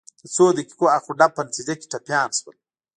د څو دقیقو اخ و ډب په نتیجه کې ټپیان شول.